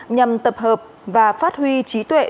nhằm tập hợp và phát huy trí tuệ